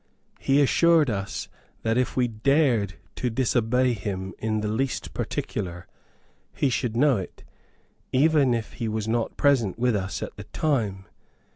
He assured us that if we dared to disobey him in the least particular, he should know it, even if he was not present with us at the time.